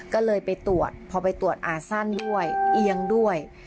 ก็เลยไปตรวจพอไปตรวจอาสั้นด้วยเอียงด้วย